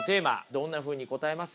どんなふうに答えます？